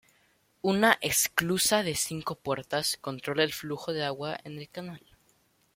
Una esclusa de cinco puertas controla el flujo de agua en el canal.